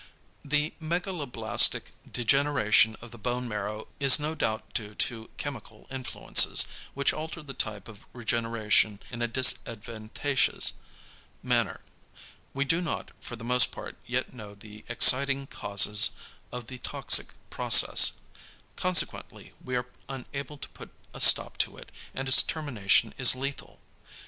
The megaloblastic degeneration of the bone marrow is no doubt due to chemical influences, which alter the type of regeneration in a disadvantageous manner. We do not for the most part yet know the exciting causes of the toxic process; consequently we are unable to put a stop to it, and its termination is lethal.